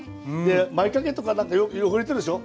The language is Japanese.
前掛けとかなんか汚れてるでしょ。